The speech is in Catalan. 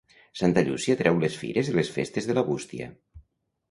Santa Llúcia treu les fires i les festes de la bústia.